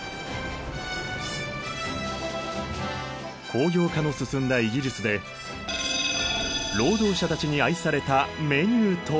工業化の進んだイギリスで労働者たちに愛されたメニューとは？